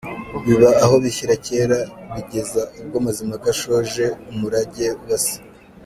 Biba aho bishyira kera; bigeza ubwo Mazimpaka ashoje umurage wa se.